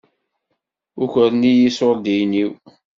Ukren-iyi iṣuṛdiyen-iw.